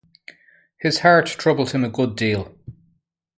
His heart troubles him a good deal.